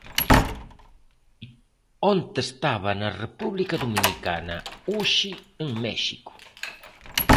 Onte estaba na República Dominicana, hoxe en México.